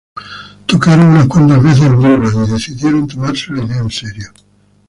Tocaron unas cuantas veces en Durban y decidieron tomarse la idea en serio.